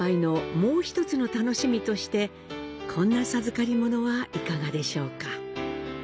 こんな授かりものはいかがでしょうか。